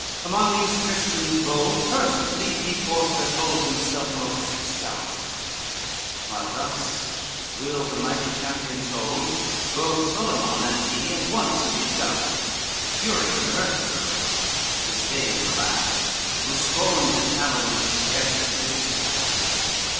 amongst these Christians bold, First leap he forth that holds himself most stout:" While thus his will the mighty champion told, Both Solyman and he at once leaped out, Fury the first provoked, disdain the last, Who scorned the challenge ere his lips it passed.